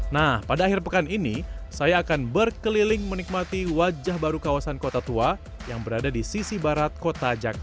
nah pada akhir pekan ini saya akan berkeliling menikmati wajah baru kawasan kota tua yang berada di sisi barat kota jakarta